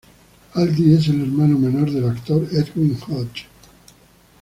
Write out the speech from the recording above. Aldis es el hermano menor del actor Edwin Hodge.